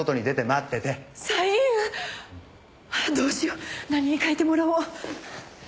どうしよう何に書いてもらおう。